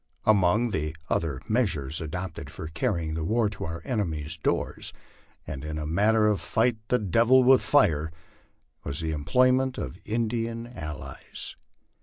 Among the other measures adopted for carrying the war to our enemy's doors, and in a manner " fight the devil with fire," was the employment of In dian allies.